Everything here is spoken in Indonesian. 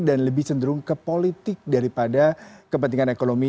dan lebih cenderung ke politik daripada kepentingan ekonomi